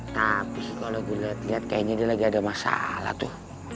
tapi kalo gua liat liat kayaknya dia lagi ada masalah tuh